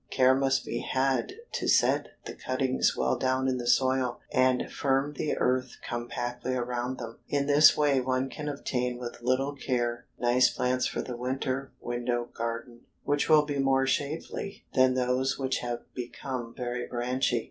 Care must be had to set the cuttings well down in the soil, and firm the earth compactly around them. In this way one can obtain with little care nice plants for the winter window garden, which will be more shapely than those which have become very branchy.